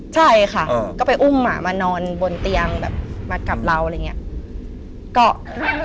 ใช่ค่ะก็ไปอุ้มมานอนบนเตียงแบบมากับเราอะไรอย่างนี้